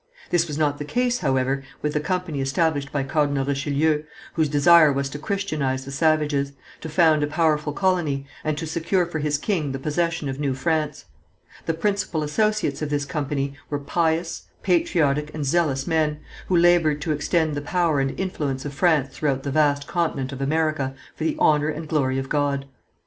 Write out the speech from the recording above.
This was not the case, however, with the company established by Cardinal Richelieu, whose desire was to christianize the savages, to found a powerful colony, and to secure for his king the possession of New France. The principal associates of this company were pious, patriotic and zealous men, who laboured to extend the power and influence of France throughout the vast continent of America for the honour and glory of God.